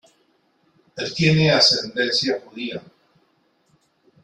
Él tiene ascendencia judía.